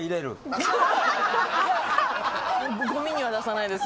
ごみには出さないです。